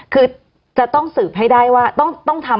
คือจะต้องสืบให้ได้ว่าต้องทำ